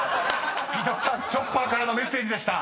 ［板尾さんチョッパーからのメッセージでした］